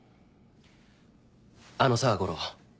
あのさ悟郎